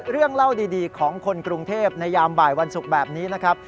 เรื่องเล่าดีของคนกรุงเทพในยามบ่ายวันศุกร์แบบนี้นะครับ